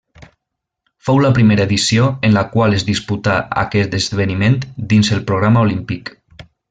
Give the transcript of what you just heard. Fou la primera edició en la qual es disputà aquest esdeveniment dins el programa olímpic.